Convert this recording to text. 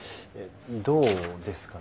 どうですかね？